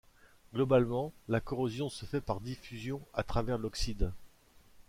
Globalement, la corrosion se fait par diffusion à travers l'oxyde.